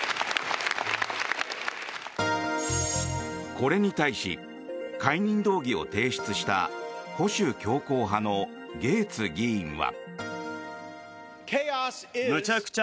これに対し解任動議を提出した保守強硬派のゲーツ議員は。